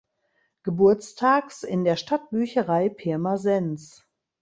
Geburtstags in der Stadtbücherei Pirmasens.